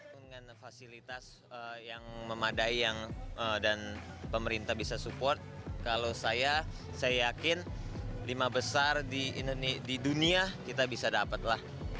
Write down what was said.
dengan fasilitas yang memadai dan pemerintah bisa support kalau saya saya yakin lima besar di dunia kita bisa dapat lah